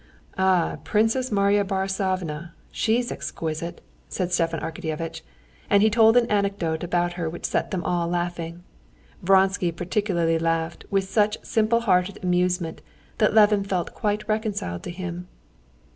"Ah, Princess Marya Borissovna, she's exquisite!" said Stepan Arkadyevitch, and he told an anecdote about her which set them all laughing. Vronsky particularly laughed with such simplehearted amusement that Levin felt quite reconciled to him.